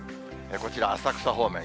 こちら浅草方面。